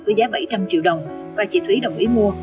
với giá bảy trăm linh triệu đồng và chị thúy đồng ý mua